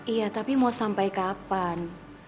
iya tapi mau sampai kapan